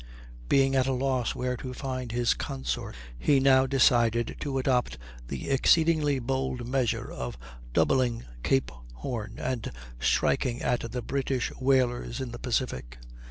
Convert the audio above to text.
Being at a loss where to find his consorts, he now decided to adopt the exceedingly bold measure of doubling Cape Horn and striking at the British whalers in the Pacific.